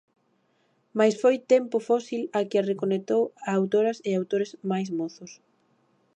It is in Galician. Mais foi Tempo fósil a que a reconectou a autoras e autores máis mozos.